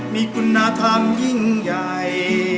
มีคุณธรรมยิ่งใหญ่